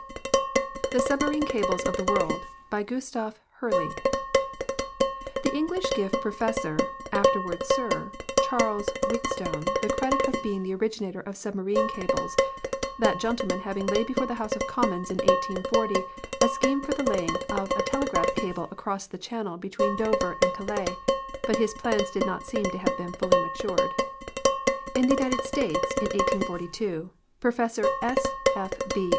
THE SUBMARINE CABLES OF THE WORLD By Gustave Herrle The English give Professor (afterward Sir) Charles MTieat stone the credit of being the originator of submarine cables, that gentleman having laid before the House of Commons in 1840 a sclieme for the laying of a telegraph cable across the channel between Dover and Calais, but his plans do not seem to have been fully matured. In tlie United States, in 1842, Professor S. F. B.